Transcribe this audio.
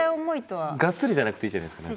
ガッツリじゃなくていいじゃないですか。